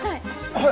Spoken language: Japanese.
はい。